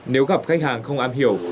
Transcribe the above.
nếu gặp khách hàng không am hiểu